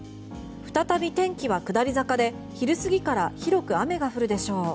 再び天気は下り坂で、昼過ぎから広く雨が降るでしょう。